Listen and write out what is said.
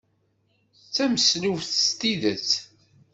D tameslubt s tidet.